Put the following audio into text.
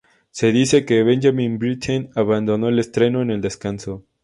Se dice que Benjamin Britten abandonó el estreno en el descanso.